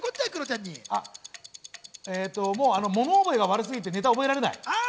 もう、あの物覚えが悪すぎてネタが覚えられない。